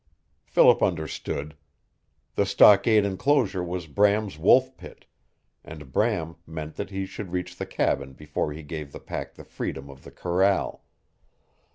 Philip understood. The stockade enclosure was Bram's wolf pit, and Bram meant that he should reach the cabin before he gave the pack the freedom of the corral.